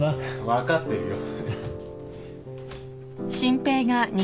分かってるよ。